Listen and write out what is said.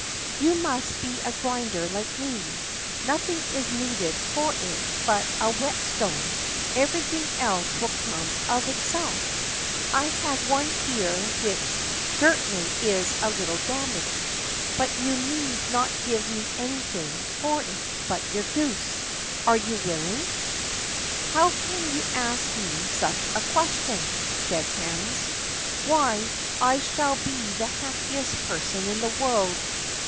"You must be a grinder like me—nothing is needed for it but a whetstone; everything else will come of itself. I have one here which certainly is a little damaged, but you need not give me anything for it but your goose. Are you willing?" "How can you ask me such a question?" said Hans. "Why, I shall be the happiest person in the world.